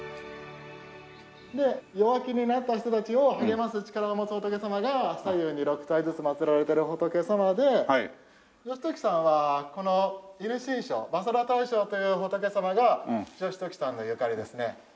で弱気になった人たちを励ます力を持つ仏様が左右に６体ずつ祭られている仏様で義時さんはこの戌神将伐折羅大将という仏様が義時さんのゆかりですね。